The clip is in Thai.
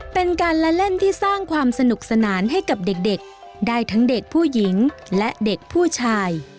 เป็นการละเล่นที่สร้างความสนุกสนานให้กับเด็กได้ทั้งเด็กผู้หญิงและเด็กผู้ชาย